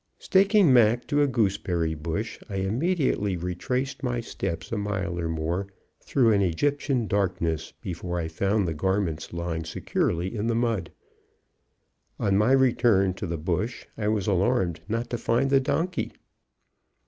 Staking Mac to a gooseberry bush, I immediately retraced my steps a mile or more through an Egyptian darkness before I found the garments lying securely in the mud. On my return to the bush I was alarmed not to find the donkey.